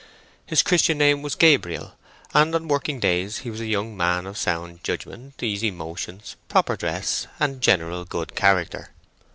His Christian name was Gabriel, and on working days he was a young man of sound judgment, easy motions, proper dress, and general good character.